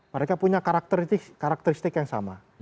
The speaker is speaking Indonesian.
mereka punya karakteristik karakteristik yang sama